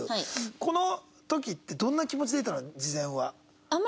この時ってどんな気持ちでいたの？